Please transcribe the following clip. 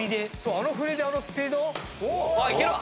あの振りであのスピード⁉いけるわ。